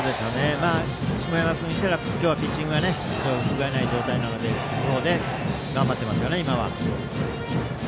下村君にしたら今日はピッチングがふがいない状態なので頑張っていますね、今は。